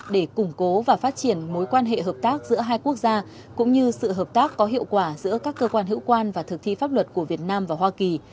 để củng cố và phát triển mối quan hệ hợp tác giữa hai quốc gia cũng như sự hợp tác có hiệu quả giữa các cơ quan hữu quan và thực thi pháp luật của việt nam và hoa kỳ